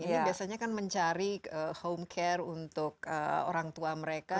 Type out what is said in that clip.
ini biasanya kan mencari home care untuk orang tua mereka